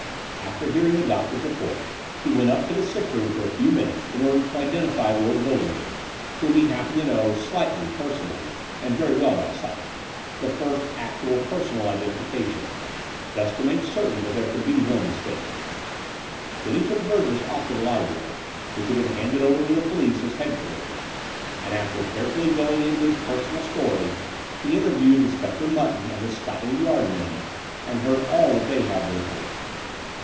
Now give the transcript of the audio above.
After hearing the doctor's report he went up to the sick room for a few minutes in order to identify Lord Bullingdon, whom he happened to know slightly personally and very well by sight — ^the first actual personal identification — ^just to make cer tain that there could be no mistake. Then he took Burgess off to the library, which had been handed over to the police as head quarters; and, after carefully going into his per sonal story, he interviewed Inspector Mutton and the Scotland Yard men, and heard all that they had to report.